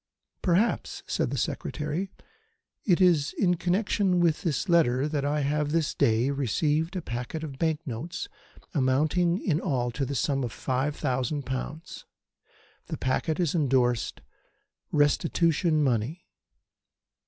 "Perhaps," said the Secretary, "it is in connection with this letter that I have this day received a packet of bank notes amounting in all to the sum of five thousand pounds. The packet is endorsed 'Restitution money.'"